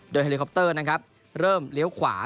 เฮลิคอปเตอร์นะครับเริ่มเลี้ยวขวา